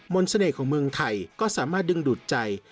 เสน่ห์ของเมืองไทยก็สามารถดึงดูดใจ